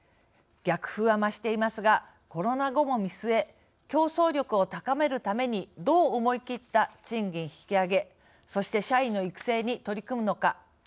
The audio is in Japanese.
逆風は増していますがコロナ後も見据え競争力を高めるためにどう思い切った賃金引き上げそして社員の育成に取り組むのか。